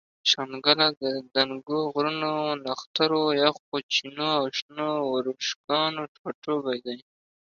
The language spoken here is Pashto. شانګله د دنګو غرونو، نخترو، یخو چینو او شنو ورشوګانو ټاټوبے دے